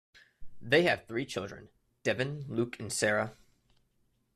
They have three children, Devon, Luke, and Sara.